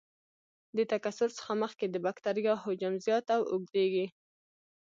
د تکثر څخه مخکې د بکټریا حجم زیات او اوږدیږي.